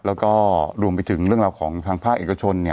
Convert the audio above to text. แล้วก็รวมไปถึงเรื่องราวของทางภาคเอกชน